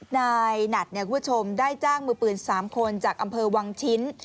นายหนัดคุณผู้ชมได้จ้างมือปืน๓คนจากอำเภอวังชิ้น